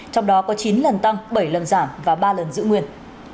trong đó có chín lần tăng bảy lần giảm và ba lần giữ nguyên